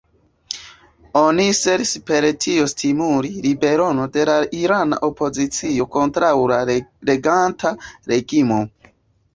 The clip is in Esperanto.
Oni celis per tio stimuli ribelon de la irana opozicio kontraŭ la reganta reĝimo.